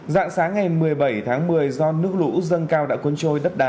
dạng sáng ngày một mươi bảy tháng một mươi do nước lũ dâng cao đã cuốn trôi đất đá